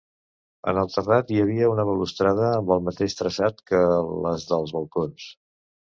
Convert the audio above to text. En el terrat hi havia una balustrada amb el mateix traçat que les dels balcons.